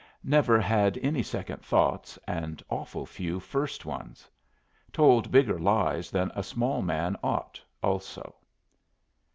Never had any second thoughts, and awful few first ones. Told bigger lies than a small man ought, also.